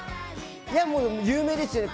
いやもう有名ですよね